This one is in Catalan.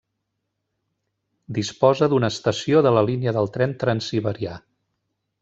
Disposa d'una estació de la línia del tren Transsiberià.